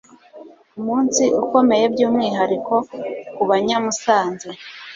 umunsi ukomeye by'umwihariko ku Banyamusanze.